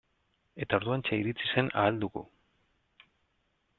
Eta orduantxe iritsi zen Ahal Dugu.